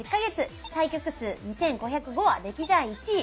対局数２５０５は歴代１位！